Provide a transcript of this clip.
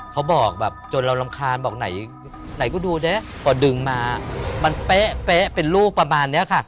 เขาบอกแบบจนเรารำคาญบอกไหนไหนก็ดูดิกว่าดึงมามันเป๊ะเป็นลูกประมาณนี้ค่ะ